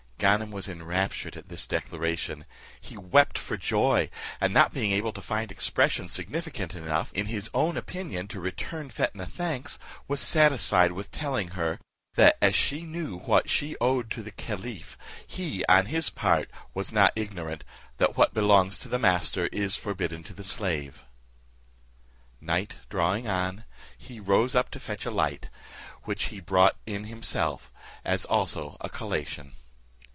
Ganem was enraptured at this declaration; he wept for joy, and not being able to find expressions significant enough, in his own opinion, to return Fetnah thanks, was satisfied with telling her, that as she knew what she owed to the caliph, he, on his part, was not ignorant "that what belongs to the master is forbidden to the slave." Night drawing on, he rose up to fetch a light, which he brought in himself, as also a collation.